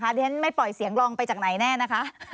เพราะฉะนั้นไม่ปล่อยเสียงรองไปจากไหนแน่นะคะ